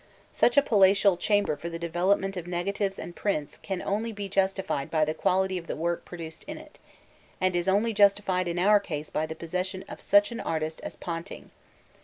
Such a palatial chamber for the development of negatives and prints can only be justified by the quality of the work produced in it, and is only justified in our case by the possession of such an artist as Ponting.